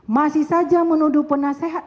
masih saja menuduh penasehat